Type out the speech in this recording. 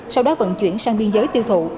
sau đó vận chuyển sang biên giới tiêu thụ